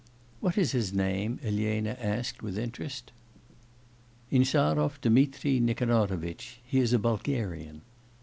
'What is his name?' Elena inquired with interest. 'Insarov Dmitri Nikanorovitch. He is a Bulgarian.